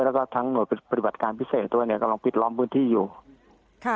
แล้วก็ทั้งหน่วยปฏิบัติการพิเศษด้วยเนี่ยกำลังปิดล้อมพื้นที่อยู่ค่ะ